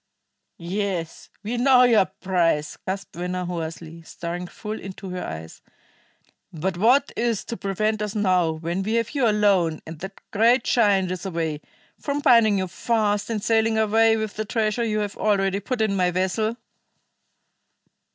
"Yes, we know your price!" gasped Venner hoarsely, staring full into her eyes. "But what is to prevent us now, when we have you alone, and that great giant is away, from binding you fast and sailing away with the treasure you have already put in my vessel?"